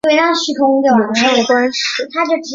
母上官氏。